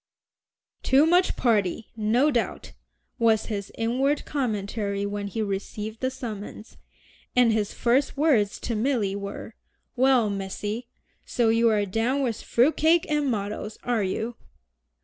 "Too much party, no doubt," was his inward commentary when he received the summons; and his first words to Milly were, "Well, Missy, so you are down with fruit cake and mottoes, are you?"